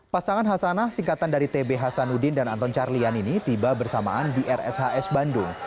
pasangan hasanah singkatan dari tb hasanuddin dan anton carlian ini tiba bersamaan di rshs bandung